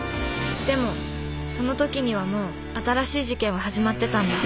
でもそのときにはもう新しい事件は始まってたんだ。